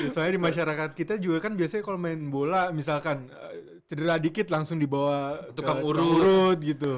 soalnya di masyarakat kita juga kan biasanya kalau main bola misalkan cedera dikit langsung dibawa tukang urut gitu